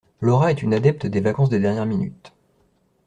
Laura est une adepte des vacances de dernière minute.